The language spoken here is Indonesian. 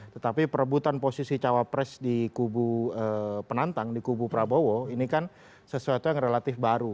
tetapi perebutan posisi cawapres di kubu penantang di kubu prabowo ini kan sesuatu yang relatif baru